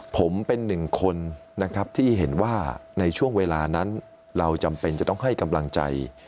ผมเป็นหนึ่งคนนะครับที่เห็นว่าในช่วงเวลานั้นเราจำเป็นจะต้องให้กำลังใจ